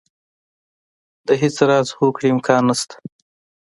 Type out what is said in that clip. د هېڅ راز هوکړې امکان نه شته.